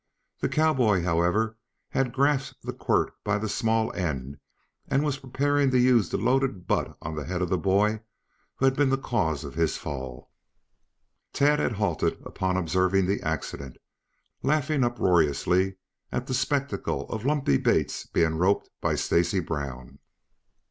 The cowboy, however, had gasped the quirt by the small end and was preparing to use the loaded butt on the head of the boy who had been the cause of his fall. Tad had halted upon observing the accident, laughing uproariously at the spectacle of Lumpy Bates being roped by Stacy Brown.